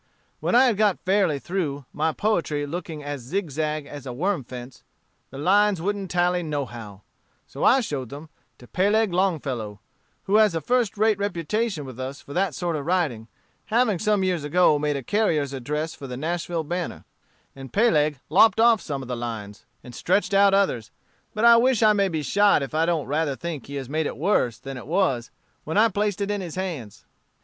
When I had got fairly through, my poetry looked as zigzag as a worm fence; the lines wouldn't tally no how; so I showed them to Peleg Longfellow, who has a first rate reputation with us for that sort of writing, having some years ago made a carrier's address for the Nashville Banner; and Peleg lopped of some lines, and stretched out others; but I wish I may be shot if I don't rather think he has made it worse than it was when I placed it in his hands.